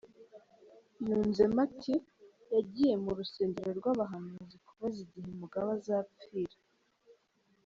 Yunzemo ati "Yagiye mu rusengero rw’ abahanuzi kubaza igihe Mugabe azapfira.